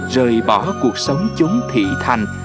rời bỏ cuộc sống chống thị thành